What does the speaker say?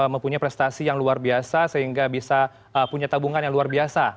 mempunyai prestasi yang luar biasa sehingga bisa punya tabungan yang luar biasa